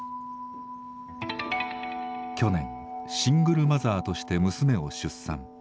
去年シングルマザーとして娘を出産。